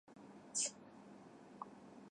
青森県野辺地町